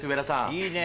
いいね。